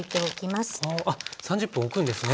あっ３０分おくんですね。